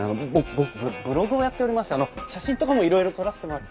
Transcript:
僕ブログをやっておりましてあの写真とかもいろいろ撮らせてもらい。